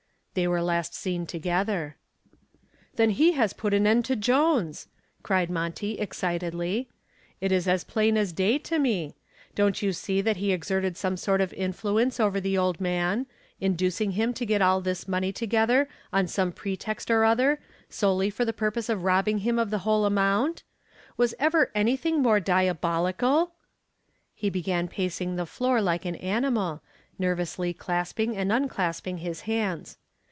"They were last seen together." "Then he has put an end to Jones!" cried Monty, excitedly. "It is as plain as day to me. Don't you see that he exerted some sort of influence over the old man, inducing him to get all this money together on some pretext or other, solely for the purpose of robbing him of the whole amount? Was ever anything more diabolical?" He began pacing the floor like an animal, nervously clasping and unclasping his hands.